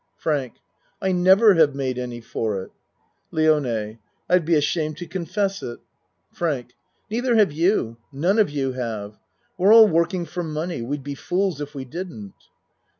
FRANK I never have made any for it. LIONE I'd be ashamed to confess it. FRANK Neither have you none of you have. We're all working for money. We'd be fools if we didn't.